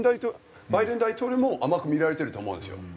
バイデン大統領も甘く見られてると思うんですよ。